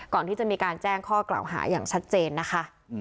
ก่อนที่จะมีการแจ้งข้อกล่าวหาอย่างชัดเจนนะคะ